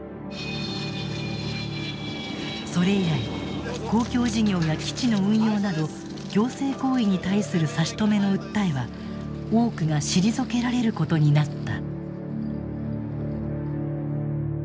それ以来公共事業や基地の運用など行政行為に対する差し止めの訴えは多くが退けられることになった。